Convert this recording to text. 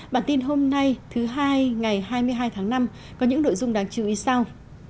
bản tin hôm nay thứ hai ngày hai mươi hai tháng năm có những nội dung đáng chú ý sau